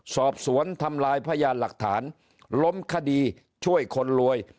สอบสวนทำลายพยานหลักฐานล้มคดีช่วยคนรวย